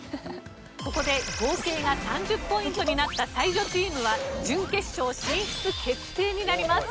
ここで合計が３０ポイントになった才女チームは準決勝進出決定になります。